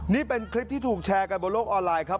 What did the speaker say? นี่เป็นคลิปที่ถูกแชร์กันบนโลกออนไลน์ครับ